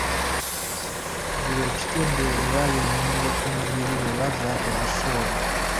Buli kitundu awali ennyingo ku mubiri weewava olusu olwo.